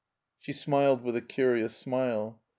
She smiled with a curious smile.